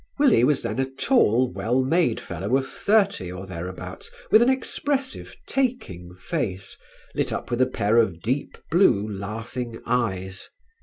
Willie was then a tall, well made fellow of thirty or thereabouts with an expressive taking face, lit up with a pair of deep blue laughing eyes.